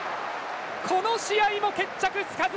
この試合も決着つかず！